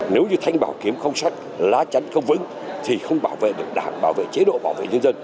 nếu như thanh bảo kiếm không sắt lá chắn không vững thì không bảo vệ được đảng bảo vệ chế độ bảo vệ nhân dân